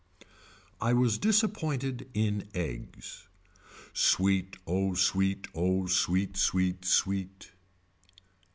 I was disappointed in eggs. Sweet oh sweet oh sweet sweet sweet.